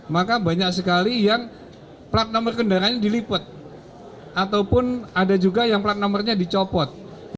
maka banyak sekali yang plat nomor kendaraan diliput ataupun ada juga yang plat nomornya dicopot